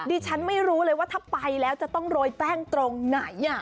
ดิฉันไม่รู้เลยว่าถ้าไปแล้วจะต้องโรยแป้งตรงไหน